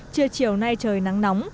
trưa chiều nay trời nắng nóng